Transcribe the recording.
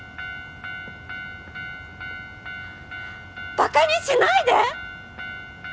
ばかにしないで！